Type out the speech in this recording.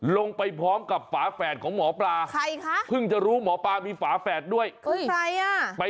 ลงไปพร้อมกับหวาแฟดของหมอปลา